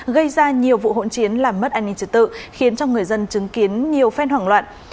gây ra nhiều vụ hỗn chiến làm mất an ninh trật tự khiến cho người dân chứng kiến nhiều phen hoảng loạn